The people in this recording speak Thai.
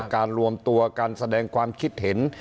การรวมตัวการแสดงความคิดเห็น